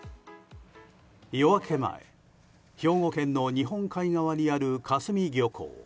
夜明け前、兵庫県の日本海側にある香住漁港。